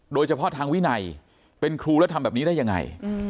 โดยเฉพาะทางวินัยเป็นครูแล้วทำแบบนี้ได้ยังไง